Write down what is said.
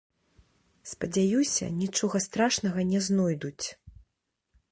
Спадзяюся, нічога страшнага не знойдуць.